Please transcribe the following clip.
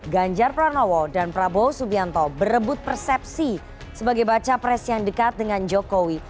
ganjar pranowo dan prabowo subianto berebut persepsi sebagai baca pres yang dekat dengan jokowi